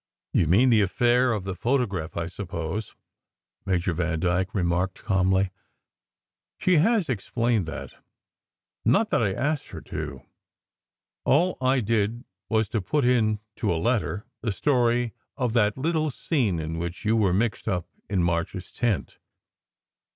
"You mean the affair of the photograph, I suppose," Major Vandyke remarked calmly. "She has explained that. Not that I asked her to. All I did was to put in to a letter the story of that little scene in which you were mixed up in March s tent.